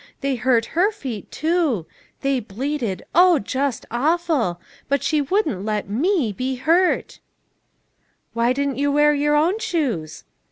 They hurt her feet too; they Weeded, oh ! just awful, but she wouldn't let me be hurt." " Why didn't you wear your own shoes?"